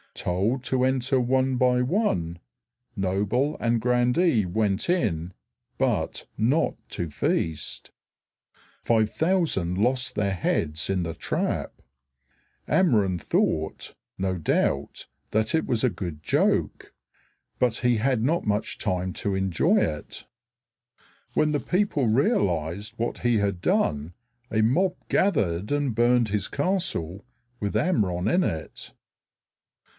Told to enter one by one, noble and grandee went in but not to feast. Five thousand lost their heads in the trap. Amron thought, no doubt, that it was a good joke; but he had not much time to enjoy it. When the people realized what he had done a mob gathered and burned his castle, with Amron in it.